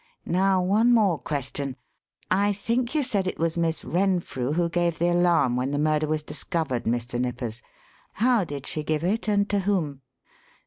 Now one more question: I think you said it was Miss Renfrew who gave the alarm when the murder was discovered, Mr. Nippers. How did she give it and to whom?"